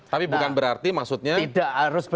tapi bukan berarti maksudnya kemudian menggulingkan